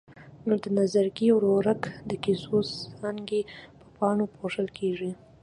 نو د نظرګي ورورک د کیسو څانګې په پاڼو پوښل کېږي.